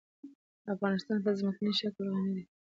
افغانستان په ځمکنی شکل غني دی.